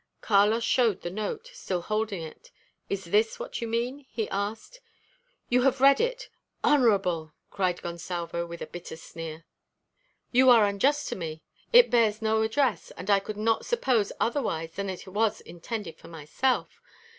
Carlos showed the note, still holding it. "Is this what you mean?" he asked. "You have read it! Honourable!" cried Gonsalvo, with a bitter sneer. "You are unjust to me. It bears no address; and I could not suppose otherwise than that it was intended for myself.